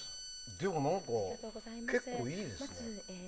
でも、何か結構いいですね。